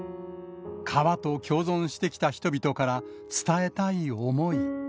川と共存してきた人々から、伝えたい思い。